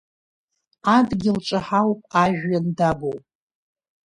Адгьыл ҿаҳауп, ажәҩан дагәоуп.